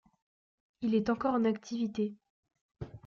Il est encore en activité.